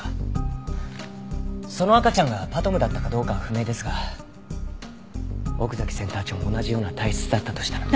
その赤ちゃんがＰＡＴＭだったかどうかは不明ですが奥崎センター長も同じような体質だったとしたら。